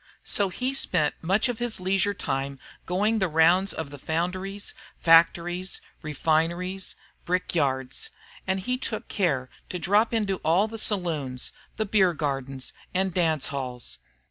So he spent much of his leisure time going the rounds of the foundries, factories, refineries, brick yards, and he took care to drop into all the saloons, the beer gardens, and dance halls.